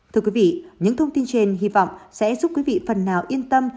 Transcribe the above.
thưa quý vị những thông tin trên hy vọng sẽ giúp quý vị phần nào yên tâm